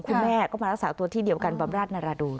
คุณแม่ก็มารักษาตัวที่เดียวกันบำราชนรดูน